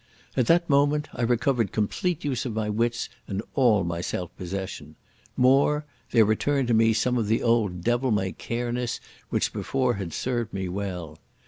At that moment I recovered complete use of my wits and all my self possession. More, there returned to me some of the old devil may careness which before had served me well.